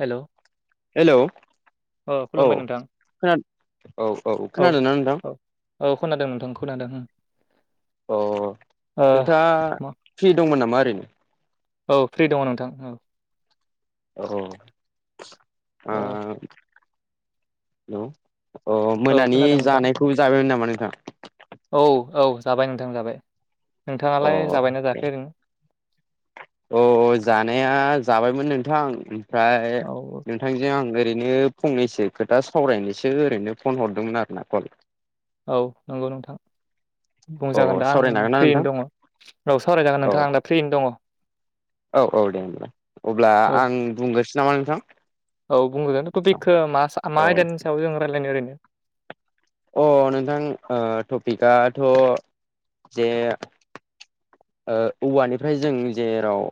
हेल' hello औ खुलुमबाय नोंथां औ औ खोनादों नना नोंथां औ औ खोनादों नोंथां खोनादों अ ओ नोंथांङा मा फ्रि दंमोन नामा ओरैनो औ फ्रि दङ नोंथां औ [unintelligible] अ ओ औ मोनानि खोनादों नोंथां जानायखौबो जाबायमोन नामा नोंथाङा औ औ जाबाय नोंथां जाबाय अ नोंथाङालाय जाबायना जाखो ओरैनो अ जानाया जाबायमोन नोंथां ओमफ्राय औ नोंथांजों आं ओरैनो फंनैसो खोथा सावरायनोसो ओरैनो फन हरदोंमोन आरोना कल औ नंगौ नोंथां अ बुंजागोन दा आं सावरायनो हागोन ना नोंथां फ्रियैनो दंङ' उनाव सावरायजागोन औ नोंथां आं दा फ्रियैनो दंङ। औ औ दे होनबा अब्ला औ आं बुंग्रोसो नामा नोंथां औ बुंगोन तपिकखो मा अ मा आयदानिसायाव जों रायलाय ओरैनो अ नोंथां ओ टपिकआथ' जे ओ औवानिफ्राय जों जेराव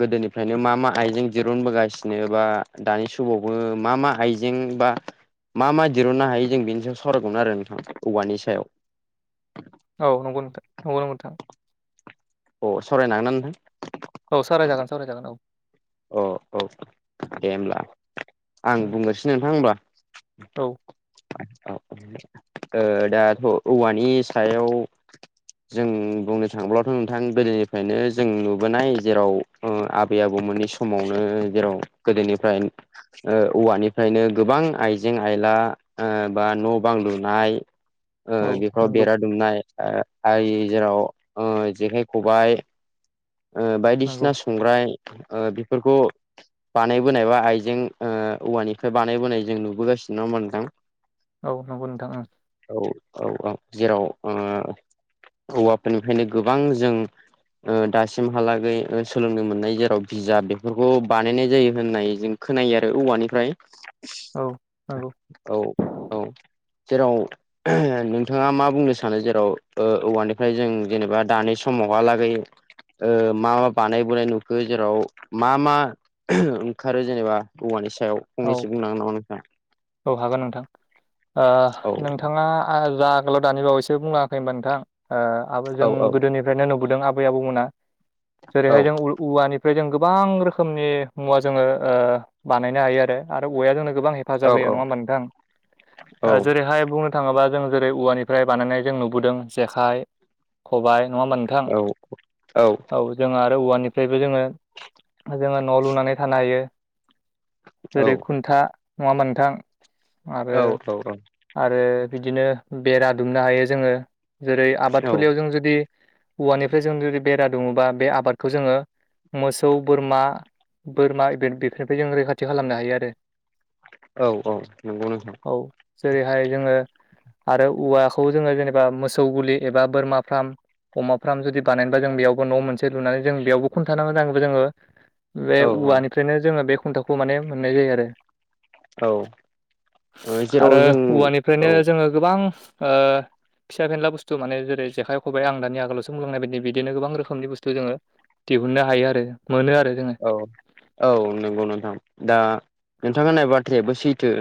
गोदोनिफ्रायनो मा मा आइजें दिरुनबोगासिनो बा दानि समावबो मा मा आइजें बा मा मा दिरुननो हायो जों बेनि सायाव सावरायगौमोन आरो नोंथां औवानि सायाव औ नंगौ नोंथां नंगौ नोंथां अ सावरायनो हागोन ना नोंथां औ सावराय जागोन सावराय जागोन औ औ औ दे होमब्ला आं बुंग्रोस नोंथां होमब्ला औ औ औ दाथ' औवानि सायाव जों बुंनो थाङोब्लाथ' नोंथां गोदोनिफ्रायनो जों नुबोनाय जेराव आबै आबौमोननि सम-' समावनो जेराव गोदोनिफ्राय ओ औवानिफ्रायनो गोबां आइजें आयला बा न' बां लुनाय ओ औ बेफोराव नंगौ बेरा दुमनाय ओ जेराव जेखाइ- खबाइ ओ नंगौ बायदिसिना संग्राय बेफोरखौ बानायबोनाय बा आइजें औवानिफ्राय बानायबोनाय जों नुबोगासिनो दङ नोंथां। औ नंगौ नोंथां ओं। औ औ औ जेराव ओ औवाफोरनिफ्रायनो गोबां जों दासिम सिमहालागै सोलोंनो मोननाय जेराव जा बेफोरखौ बानायनाय जायो होननाय जों खोनायो आरो औवानिफ्राय। औ नंगौ। औ औ जेराव नोंथाङा मा बुंनो सानो जेराव औवानिफ्राय जों जेनेबा दानि समावहालागै ओ मा मा बानायबोनाय नुखो जेराव मा मा ओंखारो जेनेबा औवानि सायाव औ फंनैसो बुंनांगोन नामा नोंथाङा? औ हागोन नोंथां ओ औ नोंथाङा जा आगोलाव दानि बावैसो बुङाखै होनबा नोंथां। ओ आब औ जों औ गोदोनिफ्रायनो नुबोदों आबै आबौमोना औ जेरैहाय जों औवानिफ्राय जों गोबां रोखोमनि मुवा जोङो ओ बानायनो हायो आरो। आरो औवाया जोंनो गोबां हेफाजाब औ होयो नङा होमा नोंथां औ जेरैहाय बुंनो थाङोबा जों जेरै औवानिफ्राय बानायनाय जों नुबोदों जेखाइ, खबाय नङा मोनोंथां औ औ। जोङो आरो औवानिफ्रायबो जोङो जोङो न' लुनानै थानो हायो। जेरै खुन्था नङा मोनथाम आरो आरो बिदिनो बेरा दुमनो हायो जोङो जेरै आबाद थुलियाव जों जुदि औवानिफ्राय जों जुदि बेरा दुङोबा बे आबादखौ जोङो मोसौ, बोरमा बोरमा बे-बे- बेफोरनिफ्राय जों रैखाथि खालामनो हायो आरो। औ औ नंगौ नोंथां। औ जेरैहाय जोङो आरो औवाखौ जोङो जेनेबा मोसौ गुलि एबा बोरमा फाराम अमा फार्म जुदि बानायनोबा जों बेयावबो न' मोनसे लुनानै जों बेयावबो खुन्थान नांगौ जायो जोंनो बे औ औवानिफ्रायनो जोङो बे खुन्थाखौ माने मोननाय जायो आरो। औ औ जेराव आरो जों औवानिफ्रायनो औ जोङो गोबां ओ फिसा फेनला बुस्थु माने जेरै जेख -खबाइ आं दानि आगोलावसो बुंलांनाय बायदि बिदि गोबां रोखनिु बुस्थु जोङो दिहुननो हायो आरो मोनो आरो जोङो। औ औ नंगौ नोंथां दा नोंथां होननाय बाथ्रायाबो सैथो।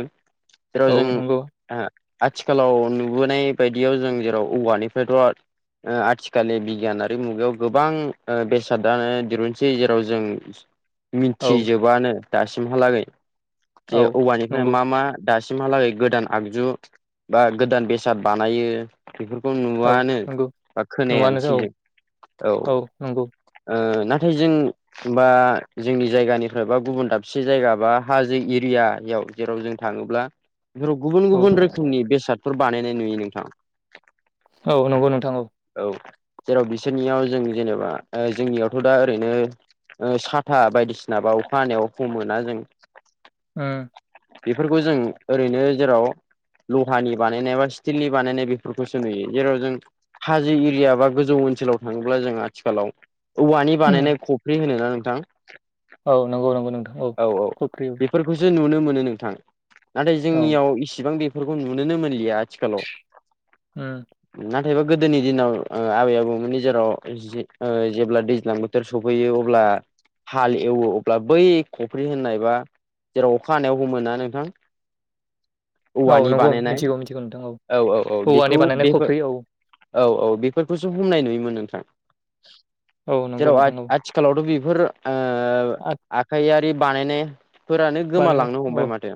जेराव औ नंगौ जों आथिखालाव ओ नुबोनाय बायदियाव जों जेराव औवानिफ्रायथ' आथिखालनि बिगियानारि मुगायाव गोबां बेसादानो दिरुनसै जेराव जों औ मिथिजोबानो दासिमहालागै जे औ औबानिफ्राय नंगौ मा मा दासिमहालागै गोदान आगजु बा गोदान बेसाद बानायो बेफोरखौ औ नुआनो नंगौ बा न'आनो खोनायानोसै औ जों औ। ओ नाथाय जों बा जोंनि जायगानिफ्राय बा गुबुन दाबसे जायगा बा हाजो एरियायाव जेराव जों थाङोब्ला बेफोराव गुबुन औ गुबुन रोखोमनि बेसादफोर बानायनाय नुयो नोंथा। औ नंगौ नोंथां औ। औ जेराव बिसोरनियाव जों जेनेबा ओ जोंनियावथ' दा ओरैनो साथा बायदिसिना बा अखा हानायाव हमोना जों ओ बिफोरखौ जों ओरैनो जेराव लहानि बानायनाय बा स्टिलनि बानायनाय बेफोरखौसो नुयो जेराव जों हाजो एरिया बा गोजौ ओनसोलाव थाङोब्ला जों आथिखालाव औवानि बानायनाय खफ्रि होनो ना नोंथां? औ नंगौ नंगौ नोंथां औ खख्रि फोरखौसो नुनो मोनो नोंथां नाथाय औ जोंनियाव इसिबां बेफोरखौ नुनोनो मोनलिया। थिखालाव नाथायबा गोदोनि दिनाव ओ आबै आबौमोननि जेराव जे जेब्ला दैज्लां बोथोर सोब फैयो अब्ला हाल एवो अब्ला बै खफ्रि होननाय बा जेराव अखा हानायाव हमो ना नोंथां? औ औवानि नंगौ बानायनाय मिथिगौ मिथिगौ नोंथां औ औ औ औवानि बिखौ बानायनाय बिफोर खफ्रि औ औ औ बेफोरखौसो हमनाय नुयोमोन नोंथां। औ नोंगौ नोंथां औ। थिखालावथ' बेफोर आरो आखायारि बानायनाय फोरानो बानायनाय गोमालांनो हमबाय औ माथो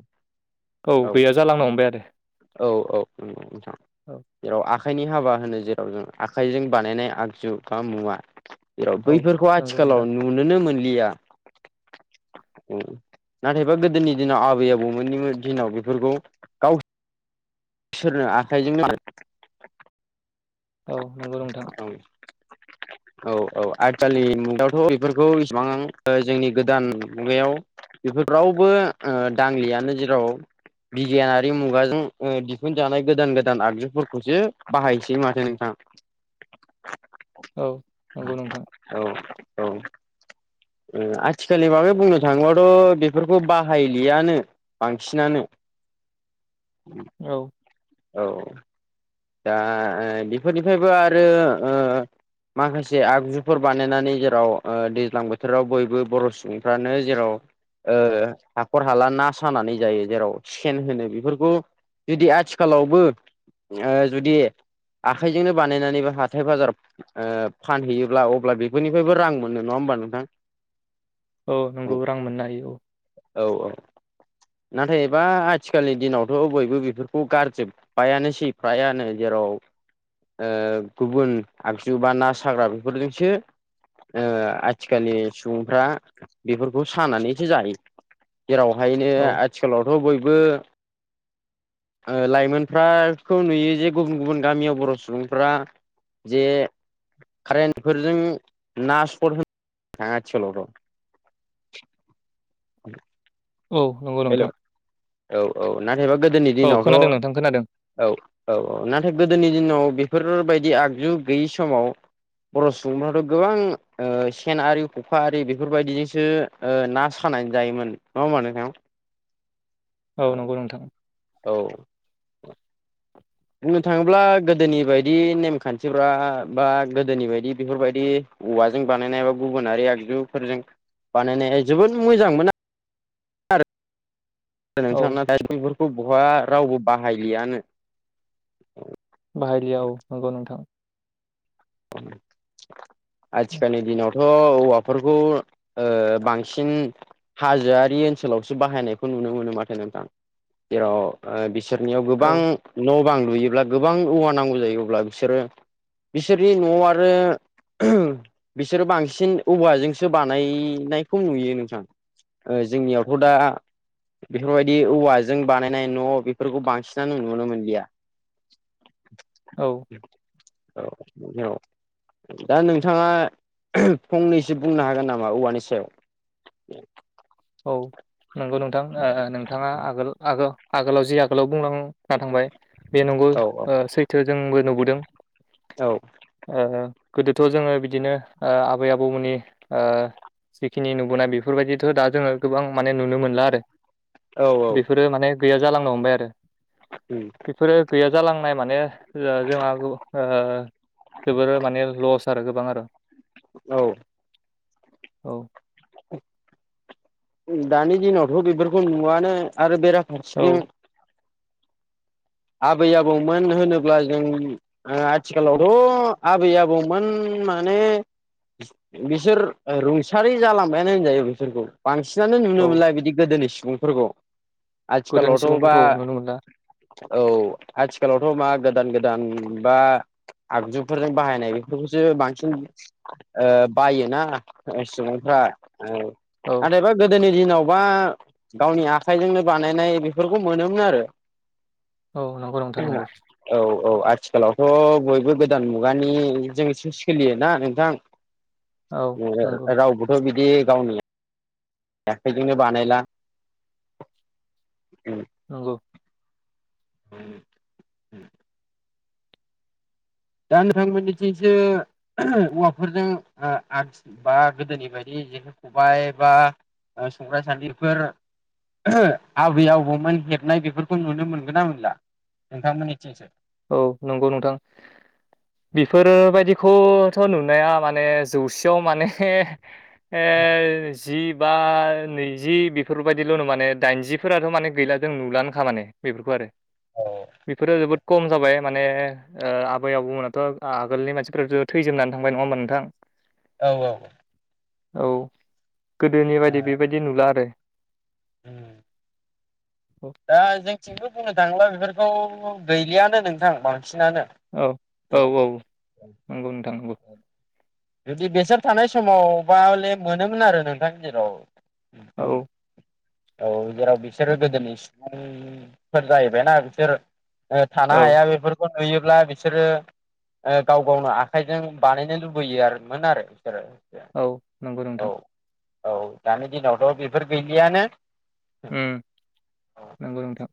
औ। गैया जालांनो हमबाय आरो औ औ नोंगौ नोंथां औ जेराव आख खायनि हाबा होनो जेराव जों आखाइजों बानायनाय आगजु बा मुवा जेराव औ बैफोरखौहाय नंगौ नोंथां नुनोनो मोनलिया। उम नाथायबा गोदोनि दिनाव आबै आबौमोननि दिनाव बिफोरखौ सोरनो आखाइजोंनो औ नंगौ नोंथां औ। औ औ आथिखालनि मुगायावथ' बेफोरखौ इसिबां जोंनि गोदान मुगायाव। बेफोर रावबो ओ दांलियानो जेराव बिगियानारि मुगाजों ओ दिहुनजानाय गोदान गोदान आगजुफोरखौसो बाहायसै माथो नों थां औ नोंगौ नोंथां। औ औ। ओ आथिखालनि बाबै बुंनो थाङोब्लााथ' बेफोरखौ बाहायलियानो बांसिनानो औ। औ औ दा ओ बेफोरनिफ्रायबो आरो ओ माखासे आगजुफोर बानायनानै जेराव ओ दैज्लां बोथोराव बयबो बर' सुबुंफ्रानो जेराव ओ हाखर हाला ना सानानै जायो जेराव सेन होनो बेफोरखौ बेदि आथिखालावबो ओ जुदि आखाइजोंनो बानायनानै बो हाथाय बाजार ओ फानहैयोब्ला अब्ला बेफोरनिफ्रायबो रां मोनो नङा होमबा नोंथां। अ नोंगौ रां मोननो हायो औ। औ औ। नाथाय एबा आथिखालनि दिनावथ' बयबो बिफोरखौ गारजोबबायानोसै प्रयानो जेराव ओ गुबुन आगजु बा ना साग्रा बेफोरजोंसो ओ आथिखालनि सुबुंफ्रा बेफोरखौ सानानैसो जायो जेरावहायनो औ आथिखालावथ' बयबो ओ लाइमोनफ्रा खौ नुयो जे गुबुन गुबुन गामियाव बर' सुबुंफ्रा जे कारेन्टफोरजों ना सरट होनो थाङा आथिखालावथ' औ नंगौ हेल' नोंथां औ औ नाथायबा गोदोनि औ दिनावथ' खोनादों नोंथां खोनादों औ औ औ नाथाय गोदोनि दिनाव बिफोरबायदि आगजु गैयि समाव बर' सुबुंफ्राथ' गोबां ओ सेन आरि खखा आरि बेफोरबायदिजोंसो ओ ना सानानै जायोमोन नङा होमबा नोंथां? औ नंगौ नोंथां। औ बुंनो थाङोब्ला गोदोनि बायदि नेमखान्थिफ्रा बा गोदोनि बायदि बेफोरबायदि औवाजों बानायनाय एबा गुबुनारि आगजुफोरजों बानायनाया जोबोद मोजां मोन आ औ नोंथां नाथाय बेफोरखौ बहा रावबो बाहायलियानो बाहायलिया औ नंगौ नोंथां। आथिखानि दिनाव थ' औवाफोरखौ ओ बांसिन हाजोआरि ओनसोलावसो बाहायनायखौ नुनो मोनो माथो नोंथां जेराव ओ बि बिसोरनियाव गोबां औ न' बां लुयोब्ला गोबां औवा नांगौ जायो अब्ला बिसोरो बिसोरनि न'आव आरो बिसोरो बांसिन औवाजोंसो बानायनायखौ नुयो नोंथां। ओ जोंनियावथ' दा बेफोरबायदि औवाजों बानायनाय न' बेफोरखौ बांसिनानो नुनो मोनलिया। [inaudible] औ औ औ दा नोंथाङा फंनैसो बुंनो हागोन नामा औवानि सायाव? औ नंगौ नोंथां ओ नोंथाङा आगोल आगोलाव जि आगोलाव बुंलांना थांबाय बे नंगौ औ ओ सैथो जोंबो नुबोदों औ ओ ओ गोदोथ' जोङो बिदिनो ओ आबै आबौमोननि ओ जिखिनि नुबोनाय बेफोरबायदिथ' दा जोङो गोबां माने नुनो मोनला आरो औ औ बेफोरो माने गैया जालांनो हमबाय आरो उम बेफोरो गैया जालांनाय माने जोंहा ओ बेफोरो माने लस आरो गोबां आरो औ औ दानि दिनावथ' बेफोरखौ नुआनो आरो बेराफारसेथिं औ आबै आबौमोन होनोब्ला जों आथिखालावथ' आबै आबौमोन माने बिसोर रुंसारि जालांबायानो होनजायो बिसोरखौ बांसिनानो नुनो औ मोनला बिदि गोदोनि सुबुंफोरखौ गोदोनि आथिखालावथ' बा सुबुंफोरखौ नुनो मोनला औ आथिखालावथ' मा गोदान गोदान बा आगजुफोरजों बाहायनाय बेफोरखौसो बांसिन ओ बायोना सुबुंफ्रा ओ औ नाथायबा गोदोनि दिनावबा गावनि आखाइजोंनो बानायनाय बेफोरखौ मोनोमोन आरो औ नं [inaudible] औ औ आथिखालावथ' बयबो गोदान मुगानिजोंसो सोलियोना नोंथां औ नंगौ रावबोथ' बिदि गावनि आखाइजोंनो बानायला उम नंगौ [inaudible] दा नोंथांमोननिथिंसो औवाफोरजों ओ आगसि बा गोदोनि बायदि जेखाइ खबाइ बा संग्रा सान्दिफोर ओ आबै आबौमोन हेबनाय बेफोरखौ नुनो मोनगोन ना मोनला नोंथांमोननिथिंसो औ नंगौ नोंथां बेफोरबादिखौथ' नुनाया माने जौसेआव माने हो एसह जि बा नैजि बेफोरबायदिल'नो माने दाइनजिफोराथ' माने गैला जों नुलानोखा माने बेफोरखौ आरो औ बेफोरो जोबोद खम जाबाय माने ओ आबै आबौमोनाथ' आगोलनि मानसिफोराथ' थैजोमनानै थांबाय नङा होमबा नोंथां औ औ औ गोदोनि बायदि बेबादि नुला आरो ओम दा जोंथिंबो बुंनो थाङोब्ला बेफोरखौ गैलिआनो नोंथां बांसिनानो औ औ औ नोंगौ नोंथां नोंगौ औ [inaudible] जुदि बेसोर थानाय समावबाह'ले मोनोमोन आरो नोंथां जेराव औ बुं औ जेराव बिसोरो नंगौ गोदोनि सुबुंफोर जाहैबायना बिसोर ओ थानो औ हाया बेफोर नुयोब्ला बिसोरो ओ गाव गावनो आखाइजों बानायनो लुबैयो लुबैयो आरो मोन आरो बिसोरो औ नोंगौ नोंथां औ औ दानि दिनावथ' बेफोर गैलिआनो उम नोंगौ नोंथां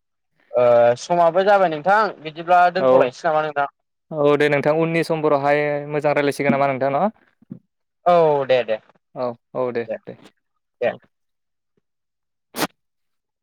ओ समाबो जाबाय नोंथां बिदिब्ला औ दोन्थ'लायसै नामा नोंथां औ दे नोंथां उननि समफोरावहाय मोजां रायज्लायसिगोन नामा नोंथां ना औ दे दे दे देह दे औ देह